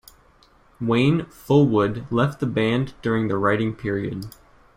Wayne Fullwood left the band during the writing period.